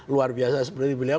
luar biasa seperti beliau